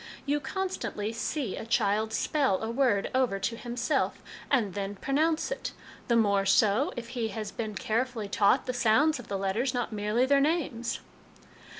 You constantly see a child spell a word over to himself, and then pronounce it ; the more so, if he has been carefully taught the sounds of the letters not merely their names."